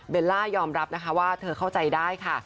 เบลล่ายอมรับว่าเธอเข้าใจได้ค่ะ